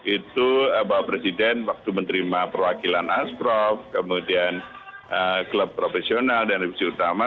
itu bapak presiden waktu menerima perwakilan asprof kemudian klub profesional dan revisi utama